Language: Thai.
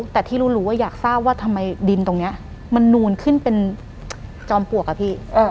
แต่ที่รู้ว่าอยากทราบว่าทำไมดินตรงนี้มันนูนขึ้นเป็นจอมปลวกอะพี่